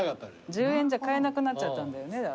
１０円じゃ買えなくなっちゃったんだよねだから。